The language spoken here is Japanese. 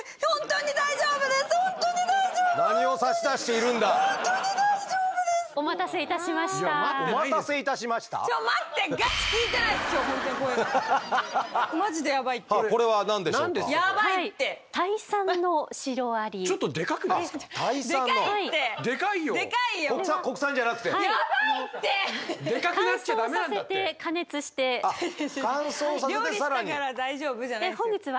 「料理したから大丈夫」じゃないですよ。